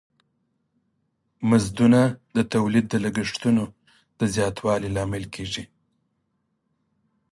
مزدونه د تولید د لګښتونو د زیاتوالی لامل کیږی.